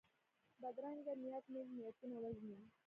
بدرنګه نیت نېک نیتونه وژني